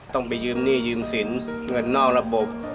ต้องไปยืมหนี้ยืมสินเงินนอกระบบ